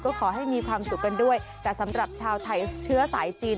ก็ขอให้มีความสุขกันด้วยแต่สำหรับชาวไทยเชื้อสายจีน